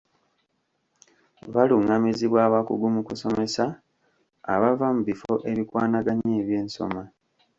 Balungamizibwa abakugu mu kusomesa abava mu bifo ebikwanaganya ebyensoma.